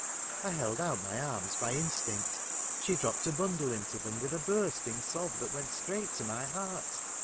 I held out my arms by instinct : she dropped a bundle into them with a burst ing sob that went straight to my heart.